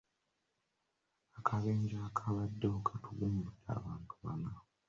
Akabenje akabaddewo katugumbudde abantu bana.